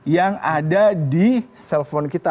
yang ada di cell phone kita